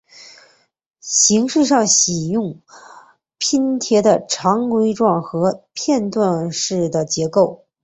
形式上喜用拼贴的长矩状和片段式的结构。